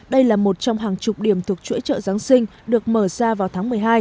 đây là một trong hàng chục điểm thuộc chuỗi chợ giáng sinh được mở ra vào tháng một mươi hai